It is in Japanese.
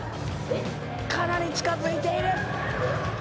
かなり近づいている。